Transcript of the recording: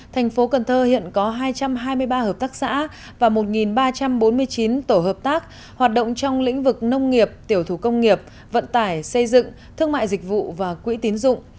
thành phố cần thơ hiện có hai trăm hai mươi ba hợp tác xã và một ba trăm bốn mươi chín tổ hợp tác hoạt động trong lĩnh vực nông nghiệp tiểu thủ công nghiệp vận tải xây dựng thương mại dịch vụ và quỹ tín dụng